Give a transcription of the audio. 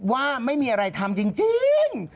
ว่าไม่มีอะไรทำจริง